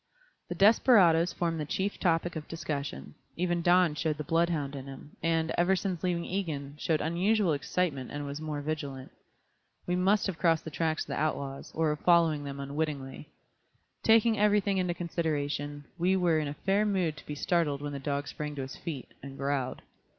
The desperadoes formed the chief topic of discussion, even Don showed the bloodhound in him, and, ever since leaving Egan, showed unusual excitement and was more vigilant. We must have crossed the tracks of the outlaws, or were following them unwittingly. Taking everything into consideration, we were in a fair mood to be startled when the dog sprang to his feet, and growled.